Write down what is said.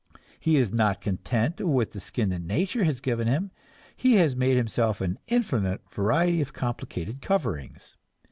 He is not content with the skin that nature has given him; he has made himself an infinite variety of complicated coverings.